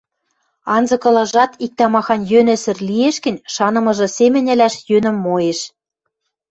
анзыкылажат иктӓ-махань йӧнӹсӹр лиэш гӹнь, шанымыжы семӹнь ӹлӓш йӧнӹм моэш.